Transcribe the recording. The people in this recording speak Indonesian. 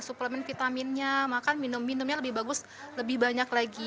suplemen vitaminnya makan minum minumnya lebih bagus lebih banyak lagi